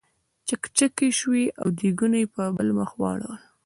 چکچکې شوې او دیګونه یې په بل مخ واړول.